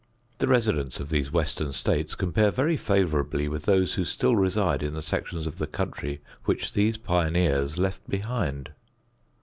The residents of these western states compare very favorably with those who still reside in the sections of the country which these pioneers left behind.